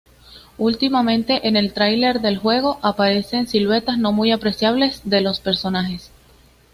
Ultimate en el Trailer del Juego aparecen Siluetas no Muy Apreciables de los Personajes.